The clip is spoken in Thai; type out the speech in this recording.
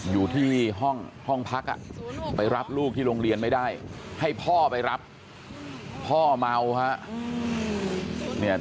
อยู่ที่ห้องพักไปรับลูกที่โรงเรียนไม่ได้ให้พ่อไปรับพ่อเมาครับ